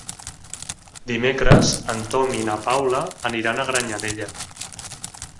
Dimecres en Tom i na Paula aniran a Granyanella.